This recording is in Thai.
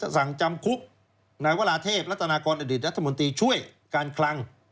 สั่งจำคุกนายวราเทพรัตนากรอดีตรัฐมนตรีช่วยการคลัง